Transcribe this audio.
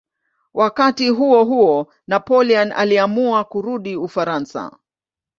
Wakati huohuo Napoleon aliamua kurudi Ufaransa.